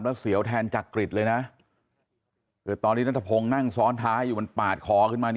เนี่ยรีหวังมาชอบผม